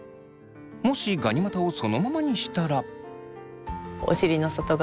もしガニ股をそのままにしたら。